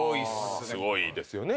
すごいですよね。